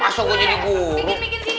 masuk gue jadi guru